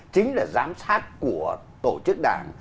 chính là giám sát của tổ chức đảng